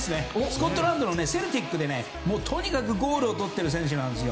スコットランドのセルティックでとにかくゴールをとっている選手なんです。